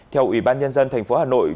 theo ubnd tp hà nội